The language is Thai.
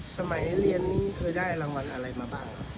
สมัยเรียนนี้เคยได้รางวัลอะไรมาบ้างครับ